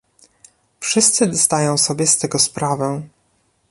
Wszyscy zdają sobie z tego sprawę